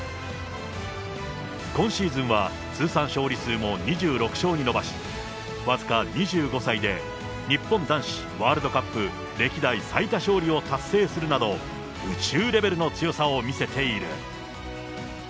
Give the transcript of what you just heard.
今シーズンは通算勝利数も２６勝に伸ばし、僅か２５歳で、日本男子ワールドカップ歴代最多勝利を達成するなど、宇宙レベルの強さを見せている。